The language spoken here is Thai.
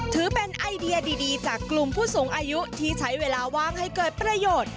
ถือเป็นไอเดียดีจากกลุ่มผู้สูงอายุที่ใช้เวลาว่างให้เกิดประโยชน์